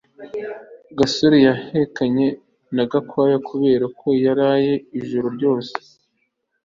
gasore yahekenye gakwego kubera ko yaraye ijoro ryose